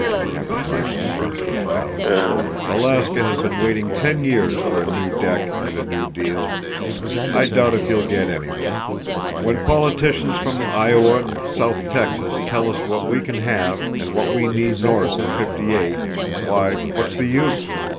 Captain Rifle grunted his doubt. "Alaska has been waiting ten years for a new deck and a new deal. I doubt if you'll get anything. When politicians from Iowa and south Texas tell us what we can have and what we need north of Fifty eight—why, what's the use?